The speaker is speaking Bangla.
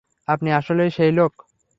আপনি আসলেই সেই লোক!